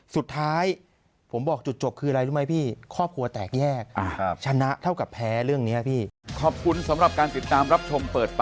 สุดท้ายผมบอกจุดจบคืออะไรรู้ไหมพี่